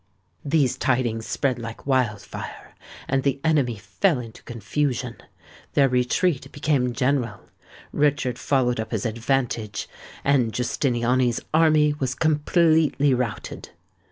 These tidings spread like wild fire; and the enemy fell into confusion. Their retreat became general: Richard followed up his advantage; and Giustiniani's army was completely routed.